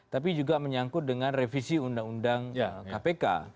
tapi juga menyangkut dengan revisi undang undang kpk